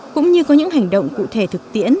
cũng như có những hành động cụ thể thực tiễn